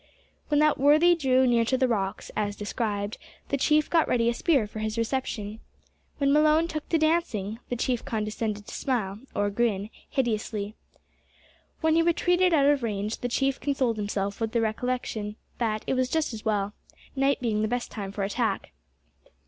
When that worthy drew near to the rocks, as described, the chief got ready a spear for his reception. When Malone took to dancing, the chief condescended to smile, or grin, hideously. When he retreated out of range the chief consoled himself with the reflection that it was just as well, night being the best time for attack.